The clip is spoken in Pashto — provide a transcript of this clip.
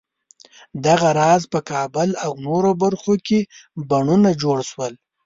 دغه راز په کابل او نورو برخو کې بڼونه جوړ شول.